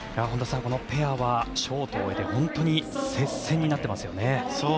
このペアはショートを終えて本当に接戦になっていますよね。